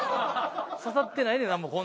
刺さってないねん。